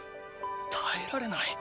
耐えられない。